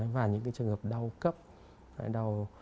và những cái trường hợp đau cấp phải đau